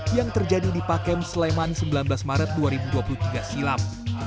yang terjadi di pakem sleman sembilan belas maret dua ribu dua puluh tiga silam